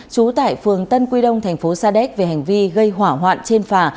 trú tại phường tân quy đông thành phố sa đéc về hành vi gây hỏa hoạn trên phà